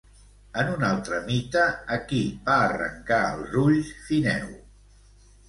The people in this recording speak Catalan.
En un altre mite, a qui va arrencar els ulls Fineu?